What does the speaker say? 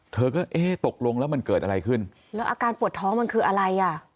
เธอก็เอ๊ะตกลงแล้วมันเกิดอะไรขึ้นแล้วอาการปวดท้องมันคืออะไรอ่ะ